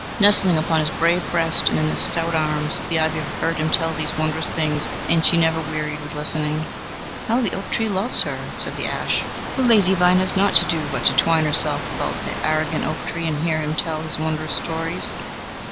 Nestling upon his brave breast and in his stout arms, the ivy heard him tell these wondrous things, and she never wearied with the listening. "How the oak tree loves her!" said the ash. "The lazy vine has naught to do but to twine herself about the arrogant oak tree and hear him tell his wondrous stories!"